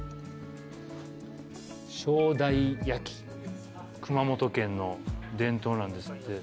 小代焼熊本県の伝統なんですって。